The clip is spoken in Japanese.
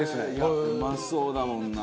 うまそうだもんな。